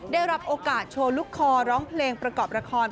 ได้รับโอกาสโชว์ลูกคอร้องเพลงประกอบละคร